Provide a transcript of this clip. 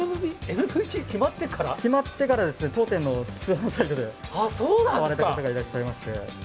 決まってからですね、当店の通販サイトで買われた方がいらっしゃいまして。